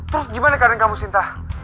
terus gimana kadang kamu sinta